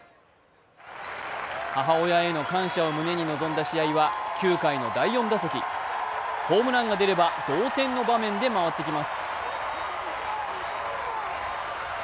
母親への感謝を胸に臨んだ試合は９回の第４打席、ホームランが出れば同点の場面で回ってきます。